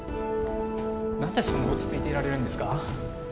何でそんな落ち着いていられるんですか。